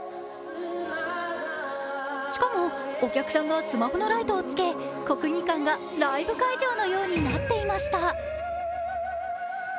しかも、お客さんがスマホのライトをつけ、国技館がライブ会場のようになっていました。